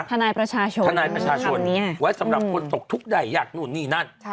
ทนายประชาชนทนายประชาชนไว้สำหรับคนตกทุกข์ใดอยากนู่นนี่นั่น